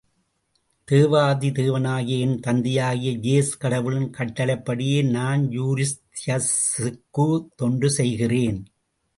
தேவாதி தேவனாகிய என் தந்தையாகிய யேஸ் கடவுளின் கட்டளைப்படியே நான் யூரிஸ்தியஸுக்குத் தொண்டு செய்கிறேன்.